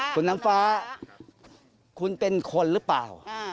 คุณน้ำฟ้าคุณเป็นคนหรือเปล่า